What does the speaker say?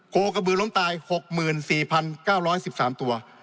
โครกบื่นล้มตาย๖๔๙๑๓ตัว